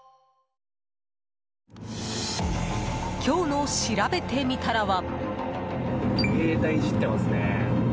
今日の、しらべてみたらは。